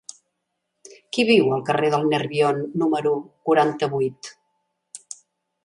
Qui viu al carrer del Nerbion número quaranta-vuit?